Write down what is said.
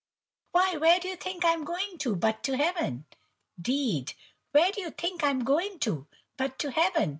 why where do you think I'm going to, but to Heaven?—'Deed! where do you think I'm going to, but to Heaven?"